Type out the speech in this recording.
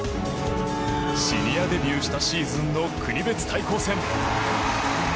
シニアデビューしたシーズンの国別対抗戦。